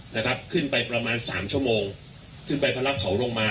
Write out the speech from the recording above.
นะครับขึ้นไปประมาณสามชั่วโมงขึ้นไปเพื่อรับเขาลงมา